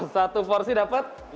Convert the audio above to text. satu porsi dapat